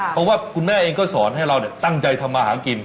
เพราะว่าคุณแม่เองก็สอนให้เราตั้งใจทำมาหากิน